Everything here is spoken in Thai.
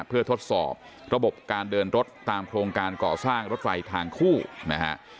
เพื่อทดสอบระบบการเดินรถตามโครงการก่อสร้างรถไฟทางคู่นะฮะ